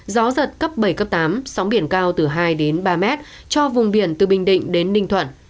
gió giật cấp bảy cấp tám sóng biển cao từ hai đến ba mét cho vùng biển từ bình định đến ninh thuận